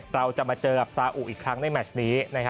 เราจะมาเจอกับซาอุอีกครั้งในแมชนี้